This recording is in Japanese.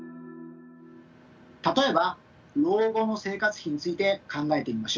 例えば老後の生活費について考えてみましょう。